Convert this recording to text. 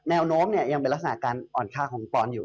แนวโน้มยังเป็นลักษณะการอ่อนค่าของปอนด์อยู่